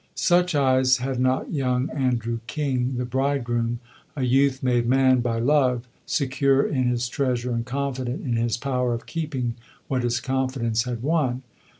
Such eyes had not young Andrew King the bride groom, a youth made man by love, secure in his treasure and confident in his power of keeping what his confidence had won.